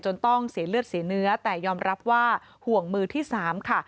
ต้องเสียเลือดเสียเนื้อแต่ยอมรับว่าห่วงมือที่๓ค่ะ